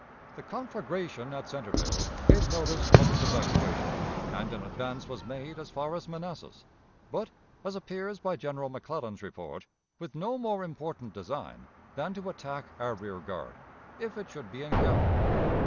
The conflagration at Centreville gave notice of its evacuation, and an advance was made as far as Manassas, but, as appears by General McClellan's report, with no more important design than to attack our rear guard, if it should be encountered.